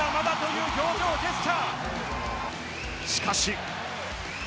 まだまだという表情、ジェスチャー。